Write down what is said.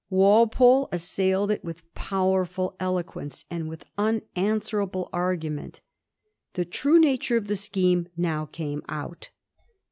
Walpole assailed it with powerful eloquence and with unan swerable argument. The true nature of the scheme now came out.